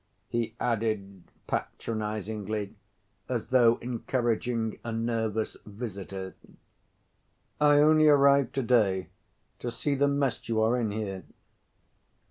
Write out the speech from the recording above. he added patronizingly, as though encouraging a nervous visitor. "I only arrived to‐day.... To see the mess you are in here."